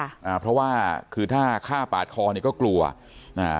อ่าเพราะว่าคือถ้าฆ่าปาดคอเนี้ยก็กลัวอ่า